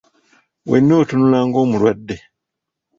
Wenna otunula ng'omulwadde.